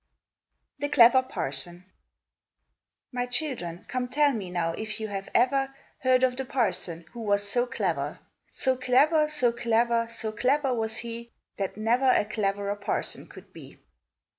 MY children, come tell me now if you have ever Heard of the parson who was so clever. So clever, so clever, so clever was he, That never a cleverer parson could be.